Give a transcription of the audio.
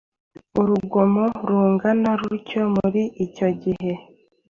urugomo rungana rutyo muri icyo gihe